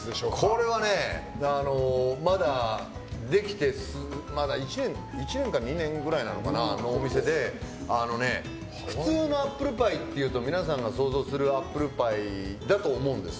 これはね、まだできて１年か２年ぐらいのお店で普通のアップルパイっていうと皆さんが想像するアップルパイだと思うんです。